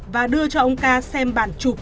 và đưa cho ông ca xem bản chụp